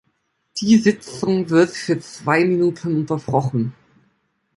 Die Sitzung wird für zwei Minuten unterbrochen.